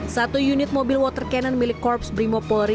satu unit mobil water cannon milik korps brimopulri